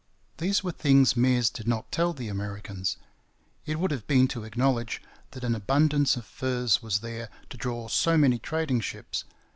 These were things Meares did not tell the Americans. It would have been to acknowledge that an abundance of furs was there to draw so many trading ships.